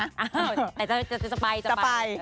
อ้าวแต่จะไปจะไป